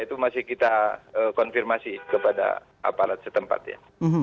itu masih kita konfirmasi kepada aparat setempat ya